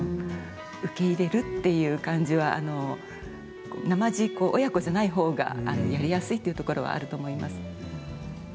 受け入れるっていう感じはなまじ親子じゃないほうがやりやすいっていうことはあると思います。